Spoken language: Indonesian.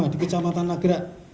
di kecamatan nagra